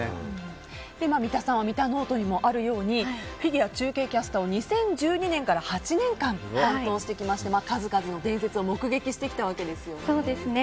三田さんは三田ノートにもあるようにフィギュア中継キャスターを２０１２年から８年間担当してきまして、数々の伝説を目撃してきたわけですよね。